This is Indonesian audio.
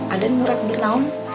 aden murah beli naon